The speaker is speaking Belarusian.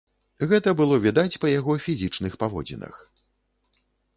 Гэта было відаць па яго фізічных паводзінах.